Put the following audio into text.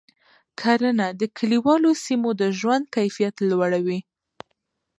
کرنه د کلیوالو سیمو د ژوند کیفیت لوړوي.